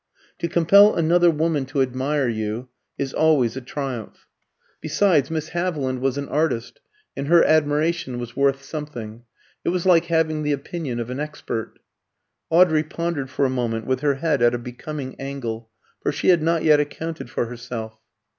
To compel another woman to admire you is always a triumph; besides, Miss Haviland was an artist, and her admiration was worth something it was like having the opinion of an expert. Audrey pondered for a moment, with her head at a becoming angle, for she had not yet accounted for herself.